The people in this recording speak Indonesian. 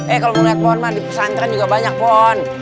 eh kalau mau lihat pohon mah di pesantren juga banyak pohon